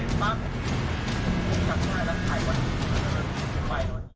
นี่เป็นปัญญาด้วยเว้ย